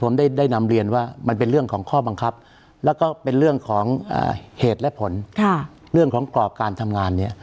แล้วก็เป็นเรื่องของเหตุและผลเรื่องของกรอการทำงาน